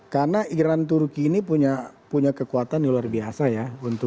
karena iran turki ini punya kekuatan yang luar biasa ya